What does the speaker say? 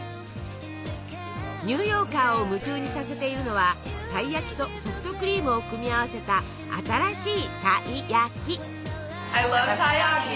ニューヨーカーを夢中にさせているのはたい焼きとソフトクリームを組み合わせた新しい「タイヤキ」！